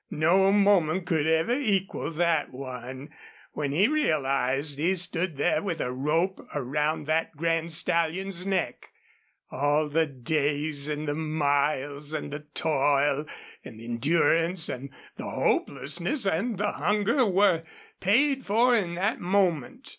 No moment could ever equal that one, when he realized he stood there with a rope around that grand stallion's neck. All the days and the miles and the toil and the endurance and the hopelessness and the hunger were paid for in that moment.